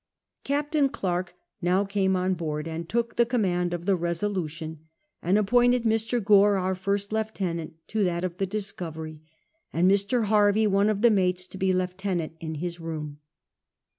Captain Clerke now came on board, and took the coni mand of the Resolution, and appointed Mr. Goiv., our first lieutenant, to thiit of the Discovery, and Mr. Harvey, one of the mates, to be lieutenant in his room.